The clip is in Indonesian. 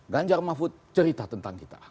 ganjar mahfud cerita tentang kita